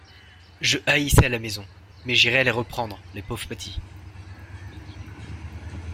Je haïssais la maison … Mais j'irai les reprendre, les pauvres petits.